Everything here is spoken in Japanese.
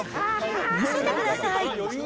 見せてください。